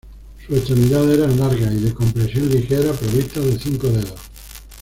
Sus extremidades eran largas y de complexión ligera, provistas de cinco dedos.